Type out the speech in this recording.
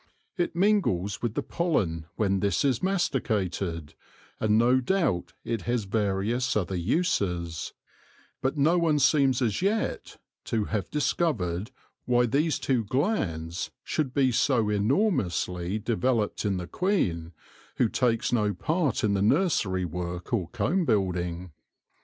It mingles with the pollen when this is masticated, and no doubt it has various other uses ; but no one seems as yet to have discovered why these two glands should be so enormously de veloped in the queen, who takes no part in the nursery work or comb building.